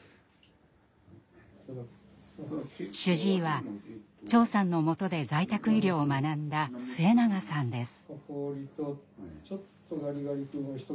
主治医は長さんの下で在宅医療を学んだ末永さんです。